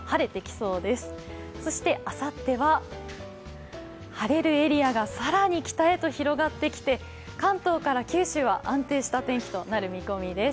そしてあさっては晴れるエリアが更に北へと広がってきて関東から九州は安定した天気となる見込みです。